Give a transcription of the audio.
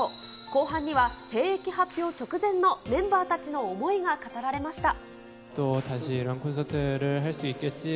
後半には、兵役発表直前のメンバーたちの思いが語られました。